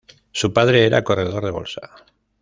Su padre era corredor de bolsa.